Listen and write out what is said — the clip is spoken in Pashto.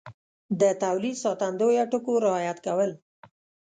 د تولید ساتندویه ټکو رعایت کول